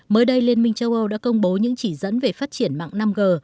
mới đây liên minh châu âu đã công bố những chỉ dẫn về phát triển mạng năm g